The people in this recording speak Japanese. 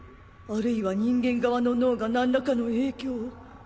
あるいは人間側の脳が何らかの影響を？